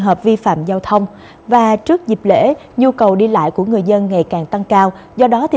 hợp vi phạm giao thông và trước dịp lễ nhu cầu đi lại của người dân ngày càng tăng cao do đó